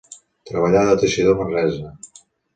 Treballà de teixidor a Manresa.